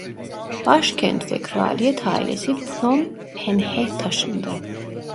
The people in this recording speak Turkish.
Başkent ve kraliyet ailesi Phnom Penh'e taşındı.